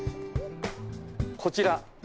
こちら。